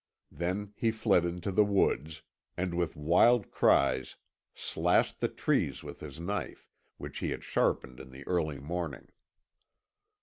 Then he fled into the woods, and with wild cries slashed the trees with his knife, which he had sharpened in the early morning.